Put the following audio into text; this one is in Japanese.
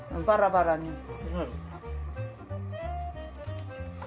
バラバラに。